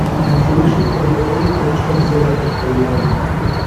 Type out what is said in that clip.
Ein Segelschiff konnte ohne Brennstoff sehr weit operieren.